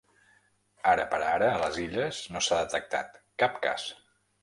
Ara per ara, a les Illes no s’ha detectat cap cas.